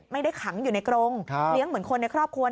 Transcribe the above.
ไม่ได้ขังอยู่ในกรงเวลาไปเหลี่ยงแล้วเขาในครอบครัว